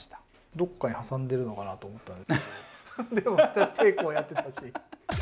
どっかに挟んでるのかなと思ったんですけどでも手こうやってたし。